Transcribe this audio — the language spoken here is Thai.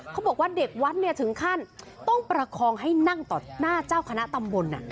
เขาบอกว่าเด็กวัดเนี่ยถึงขั้นต้องประคองให้นั่งต่อหน้าเจ้าคณะตำบล